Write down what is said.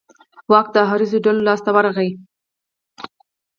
واک د حریصو ډلو لاس ته ورغی.